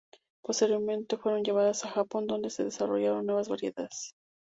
Posteriormente fueron llevadas a Japón, donde se desarrollaron nuevas variedades.